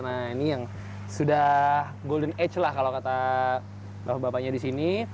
nah ini yang sudah golden age lah kalau kata bapaknya di sini